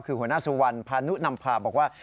คือหัวหน้าสุวรรณพานุนำพาบอกว่า